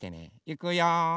いくよ。